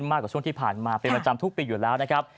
มากกว่าช่วงที่ผ่านมาเป็นประจำทุกปีอยู่แล้วนะครับ